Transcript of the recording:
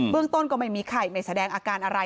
เรื่องต้นก็ไม่มีไข้ไม่แสดงอาการอะไร